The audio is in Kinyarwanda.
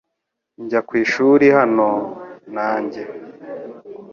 Njya ku ishuri hano, nanjye .